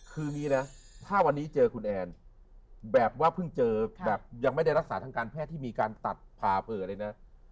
คืออย่างนี้นะถ้าวันนี้เจอคุณแอนแบบว่าเพิ่งเจอแบบยังไม่ได้รักษาทางการแพทย์ที่มีการตัดผ่าเปิดเลยนะ